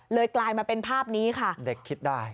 กลายมาเป็นภาพนี้ค่ะเด็กคิดได้